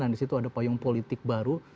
dan di situ ada payung politik baru